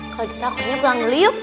kalau gitu aku pulang dulu yuk